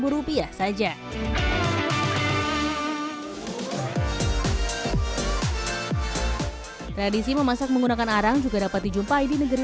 rupiah saja tradisi memasak menggunakan arang juga dapat dijumpai di negeri